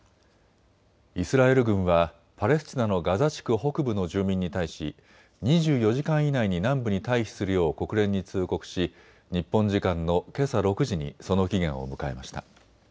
イスラエル軍はパレスチナのガザ地区北部の住民に対し２４時間以内に南部に退避するよう国連に通告し日本時間のけさ６時にその期限を迎えました。